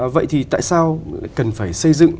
vậy thì tại sao cần phải xây dựng